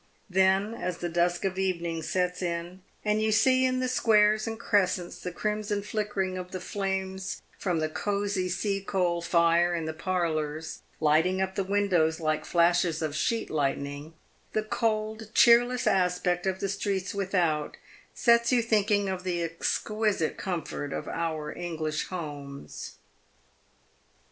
Then as the dusk of evening sets in, and you see in the squares and crescents the crimson flickering of the flames from the cosy sea coal fire in the parlours, lighting up the windows like flashes of sheet lightning, the cold, cheerless aspect of the streets without sets you thinking of the exquisite comfort of our English homes.